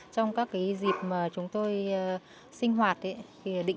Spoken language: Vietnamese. trong các cái dịp mà chúng tôi sinh hoạt ấy